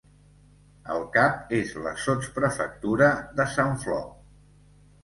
El cap és la sotsprefectura de Sant Flor.